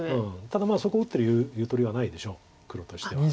ただそこ打ってるゆとりはないでしょう黒としては。